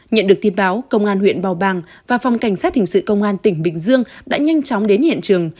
nhận được tin báo công an huyện bào bàng và phòng cảnh sát hình sự công an tỉnh bình dương đã nhanh chóng đến hiện trường